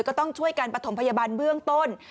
ก็ต้องช่วยการประถมพยาบาลเบื้องต้น